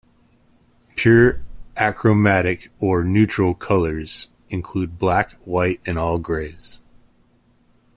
Pure achromatic, or "neutral" colors include black, white and all grays.